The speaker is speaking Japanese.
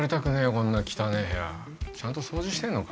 こんな汚え部屋ちゃんと掃除してんのか？